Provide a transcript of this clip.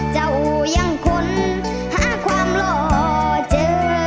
ยังค้นหาความหล่อเจอ